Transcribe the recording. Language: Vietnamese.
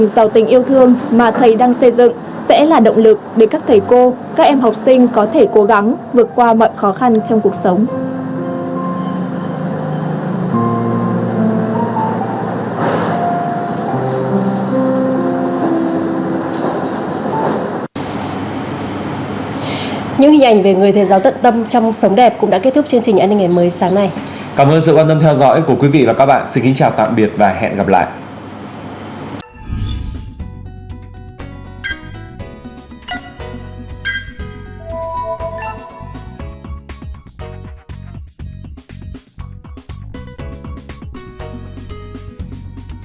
xin kính chào tạm biệt và hẹn gặp lại